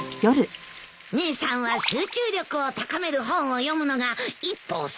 姉さんは『集中力を高める本』を読むのが一歩遅かったね。